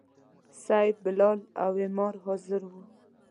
صیب، بلال او عمار حاضر وو.